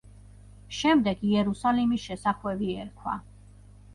შემდეგ იერუსალიმის შესახვევი ერქვა.